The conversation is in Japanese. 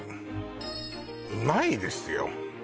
うまいですよ